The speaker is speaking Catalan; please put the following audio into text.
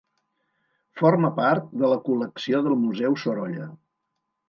Forma part de la col·lecció del Museu Sorolla.